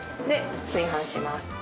で炊飯します。